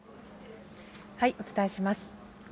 お伝えします。